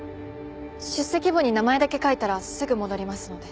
出席簿に名前だけ書いたらすぐ戻りますので。